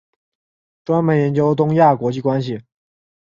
专门研究东亚国际关系。